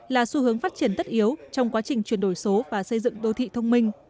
là xu hướng phát triển tất yếu trong quá trình chuyển đổi số và xây dựng đô thị thông minh